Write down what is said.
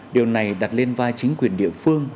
điều này đặt lên vai chính quyền địa phương